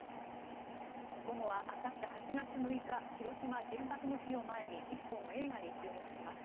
午後はあさって８月６日広島原爆の日を前に１本の映画に注目します。